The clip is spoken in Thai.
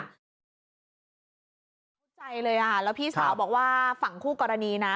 ตั้งใจเลยอ่ะแล้วพี่สาวบอกว่าฝั่งคู่กรณีนะ